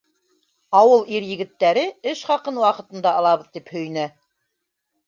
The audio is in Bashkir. Ауыл ир-егеттәре, эш хаҡын ваҡытында алабыҙ, тип һөйөнә.